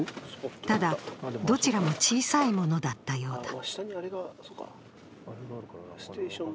ただ、どちらも小さいものだったようだ。